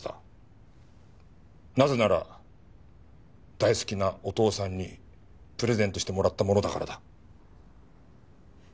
なぜなら大好きなお父さんにプレゼントしてもらったものだからだ。